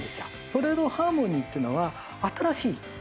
それのハーモニーっていうのは新しい。